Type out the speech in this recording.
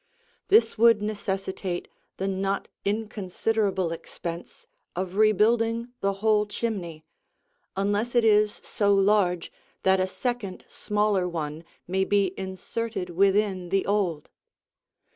This would necessitate the not inconsiderable expense of rebuilding the whole chimney, unless it is so large that a second smaller one may be inserted within the old.